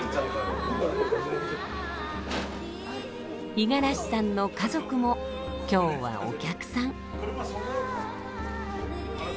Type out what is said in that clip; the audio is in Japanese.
五十嵐さんの家族も今日はお客さん。